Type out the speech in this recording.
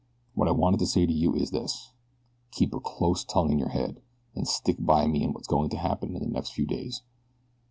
What I wanted to say to you is this. Keep a close tongue in your head and stick by me in what's going to happen in the next few days.